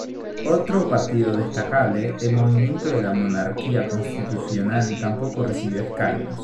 Otro partido destacable, el Movimiento de la Monarquía Constitucional tampoco recibió escaños.